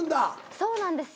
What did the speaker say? そうなんですよ。